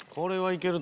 いける！